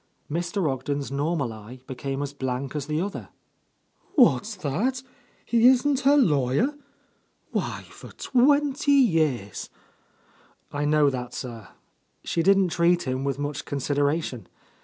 '' Mr. Ogden's normal eye became as blank as the other. "What's that? He isn't her lawyer? Why, for twenty years —" "I know that, sir. She didn't treat him with much consideration.